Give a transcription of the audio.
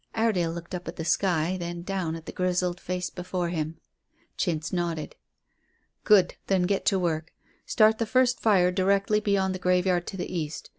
Iredale looked up at the sky, then down at the grizzled face before him. Chintz nodded. "Good. Then get to work. Start the first fire directly beyond the graveyard to the east.